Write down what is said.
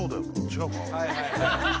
違うかな？